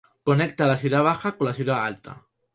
Conecta la Ciudad Baja con la Ciudad Alta.